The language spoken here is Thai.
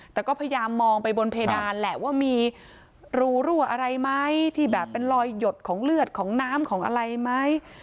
แต่ก็พยายามมองไปบนเพดานแหละว่ามีรูรั่วอะไรไหมที่แบบเป็นรอยหยดของเลือดของน้ำของอะไรไหม